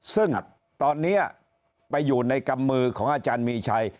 ซึ่งตอนนี้ไปอยู่ในกำมือของอาจารย์มีชัย